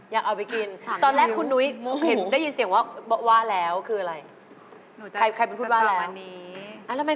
อยากเอาไปกินตอนแรกคุณนุ้ยเห็นได้ยินเสียงว่าว่าแล้วคืออะไร